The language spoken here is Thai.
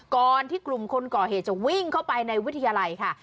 ก่อนที่กลุ่มคนก่อเหตุจะวิ่งเข้าไปในวิทยาลัยค่ะ